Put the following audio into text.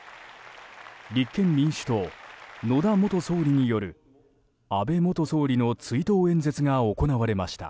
立憲民主党、野田元総理による安倍元総理の追悼演説が行われました。